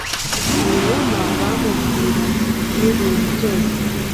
ibinyoma bamubwira n'ibintu byose